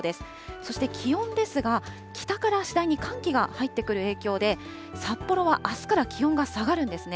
そして気温ですが、北から次第に寒気が入ってくる影響で、札幌はあすから気温が下がるんですね。